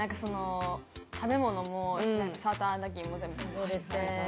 食べ物もサーターアンダギーも全部食べれて。